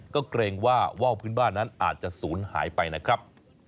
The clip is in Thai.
ก็เกรงว่าว่าวพื้นบ้านนั้นอาจจะศูนย์หายไปนะครับ